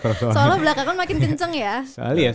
seolah belakangnya makin kenceng ya